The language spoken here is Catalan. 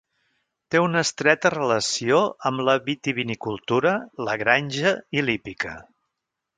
Té una estreta relació amb la vitivinicultura, la granja i l'hípica.